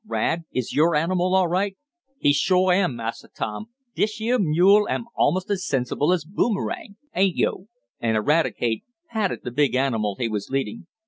Rad, is your animal all right?" "He suah am, Massa Tom. Dish yeah mule am almost as sensible as Boomerang, ain't yo'?" and Eradicate patted the big animal he was leading.